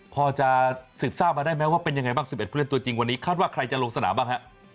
พอจะสืบทราบมาได้ไหมว่าเป็นยังไงบ้าง๑๑ผู้เล่นตัวจริงวันนี้คาดว่าใครจะลงสนามบ้างฮะ